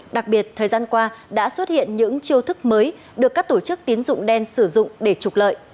đặc biệt thời gian qua đã xuất hiện những chiêu thức mới được các tổ chức tín dụng đen sử dụng để trục lợi